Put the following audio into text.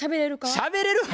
しゃべれるわ！